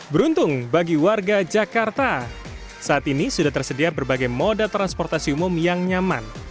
beruntung bagi warga jakarta saat ini sudah tersedia berbagai moda transportasi umum yang nyaman